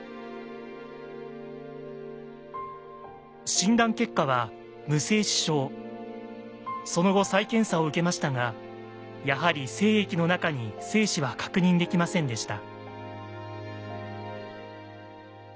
診断結果はその後再検査を受けましたがやはり精液の中に精子は確認できませんでした。